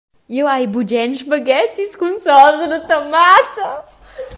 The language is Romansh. Jeu hai bugen spaghettis cun sosa da tomata.